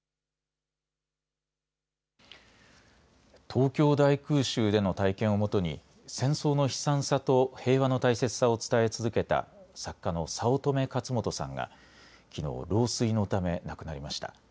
東京大空襲での体験を基に戦争の悲惨さと平和の大切さを伝え続けた作家の早乙女勝元さんがきのう老衰のため亡くなりました。